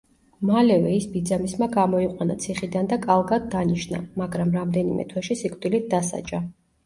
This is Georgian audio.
მალევე ის ბიძამისმა გამოიყვანა ციხიდან და კალგად დანიშნა, მაგრამ რამდენიმე თვეში სიკვდილით დასაჯა.